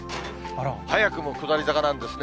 早くも下り坂なんですね。